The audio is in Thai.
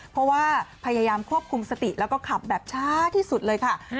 เพราะว่าพยายามควบคุมสติแล้วก็ขับแบบช้าที่สุดเลยค่ะ